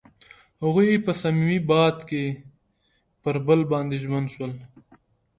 هغوی په صمیمي باد کې پر بل باندې ژمن شول.